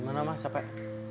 gimana mas sampai